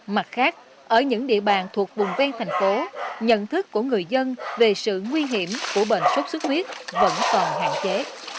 mặt khác ở những địa bàn thuộc vùng ven thành phố nhận thức của người dân về sự nguy hiểm của bệnh sốt xuất huyết vẫn còn hạn chế